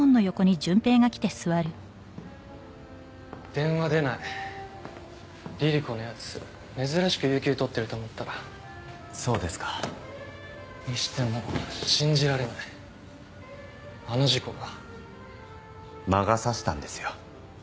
電話出ないリリ子のやつ珍しく有休取ってると思ったらそうですかにしても信じられないあの事故が魔が差したんですよ